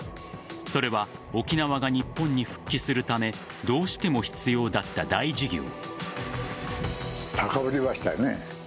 それは沖縄が日本に復帰するためどうしても必要だった大事業。